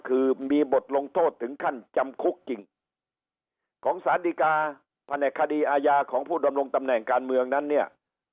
คือมีบทลงโทษถึงขั้นจำคุกจริงของสารดีกาแผนกคดีอาญาของผู้ดำรงตำแหน่งการเมืองนั้นเนี่ย